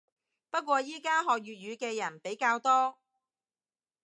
不過依家學粵語嘅人比較多